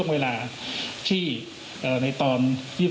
ขออนุญาตแค่นี้ครับ